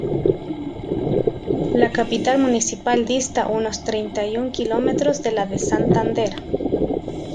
La capital municipal dista unos treinta y un kilómetros de la Santander.